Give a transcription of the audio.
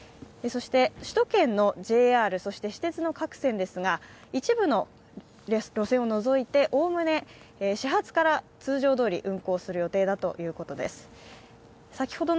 そして、首都圏のＪＲそして私鉄の各線ですが、一部の列車を除いて、概ね始発から通常通り運行する予定だということです。